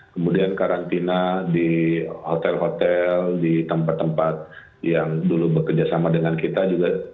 kemudian karantina di hotel hotel di tempat tempat yang dulu bekerjasama dengan kita juga